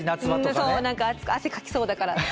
そう何か汗かきそうだから。